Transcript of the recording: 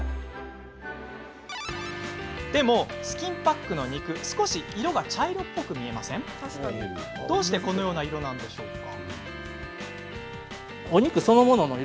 でも、スキンパックの肉少し色が茶色っぽく見えますがなぜ、このような色なのでしょうか？